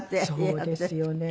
そうですよね。